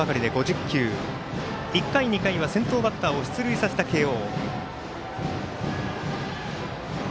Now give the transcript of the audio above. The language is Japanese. １回、２回は先頭バッター出塁させた慶応。